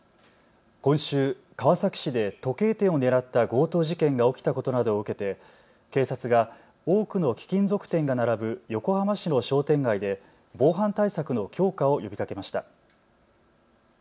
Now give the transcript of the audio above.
今週、川崎市で時計店を狙った強盗事件が起きたことなどを受けて、警察が多くの貴金属店が並ぶ横浜市の商店街で防犯対策の強化を呼びかけました。